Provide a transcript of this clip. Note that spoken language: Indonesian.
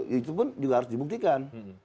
itu pun juga harus dibuktikan